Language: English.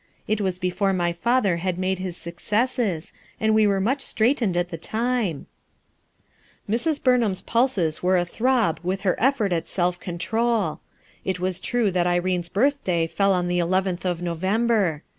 It was before my father had made his hucccsscs, and we were much straitened at the time," Mi*. Uurnham's pulses were athrob with her effort at self control.* It was true that Irene's birthday fell on the eleventh of November.